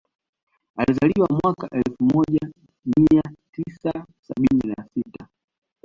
Alizaliwa mwaka elfu moja nia tisa sabini na sita